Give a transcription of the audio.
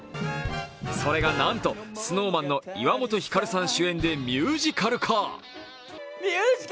それがなんとＳｎｏｗＭａｎの岩本照さん主演でミュージカル化。